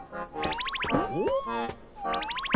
おっ？